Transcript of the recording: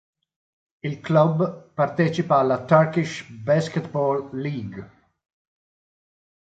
Il club partecipata alla Turkish Basketball League.